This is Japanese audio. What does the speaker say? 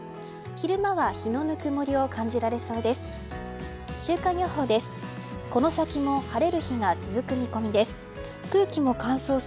昼間は日のぬくもりを感じられそうです。